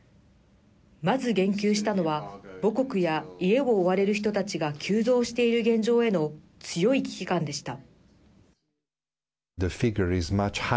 まず言及したのは母国や家を追われる人たちが急増している現状への強い危機感でした。